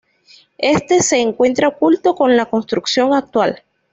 Éste se encuentra oculto por la construcción actual.